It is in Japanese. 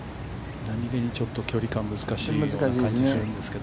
なにげに、ちょっと距離感が難しい感じがするんですけど。